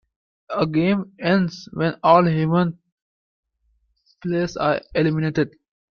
A game ends when all human players are eliminated.